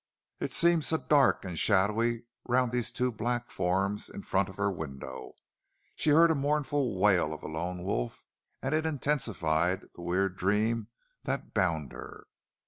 It seemed so dark and shadowy round these two black forms in front of her window. She heard a mournful wail of a lone wolf and it intensified the weird dream that bound her.